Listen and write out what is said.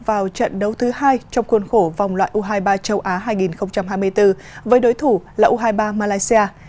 vào trận đấu thứ hai trong khuôn khổ vòng loại u hai mươi ba châu á hai nghìn hai mươi bốn với đối thủ là u hai mươi ba malaysia